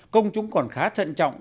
công chúng còn khá thận trọng